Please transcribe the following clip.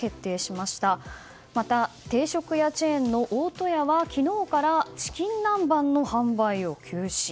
また、定食屋チェーンの大戸屋は昨日からチキン南蛮の販売を休止。